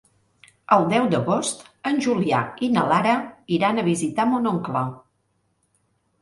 El deu d'agost en Julià i na Lara iran a visitar mon oncle.